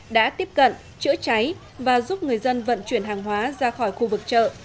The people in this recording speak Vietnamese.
đã tiếp cận chữa cháy và giúp người dân vận chuyển hàng hóa ra khỏi khu vực chợ